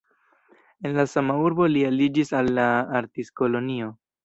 En la sama urbo li aliĝis al la artistkolonio.